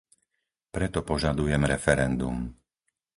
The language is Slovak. Preto požadujem referendum.